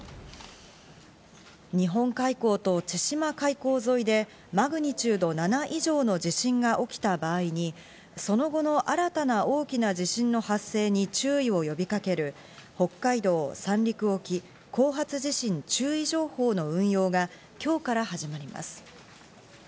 日本海溝と千島海溝沿いで、マグニチュード７以上の地震が起きた場合に、その後の新たな大きな地震の発生に注意を呼びかける、北海道・三陸沖後発地震注意情報の運用が今日から始まります。